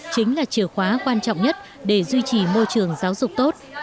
chính là chìa khóa quan trọng nhất để duy trì môi trường giáo dục tốt